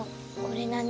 これ何？